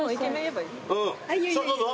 さぁどうぞ。